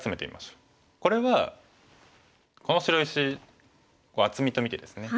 これはこの白石を厚みと見てですね